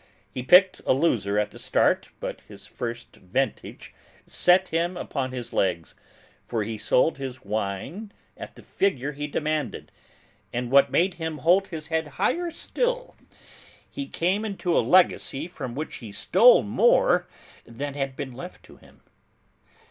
He picked a loser at the start, but his first vintage set him upon his legs, for he sold his wine at the figure he demanded, and, what made him hold his head higher still, he came into a legacy from which he stole more than had been left to him.